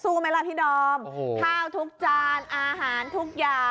ไหมล่ะพี่ดอมข้าวทุกจานอาหารทุกอย่าง